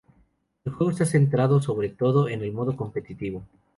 El juego está centrado sobre todo en el modo competitivo.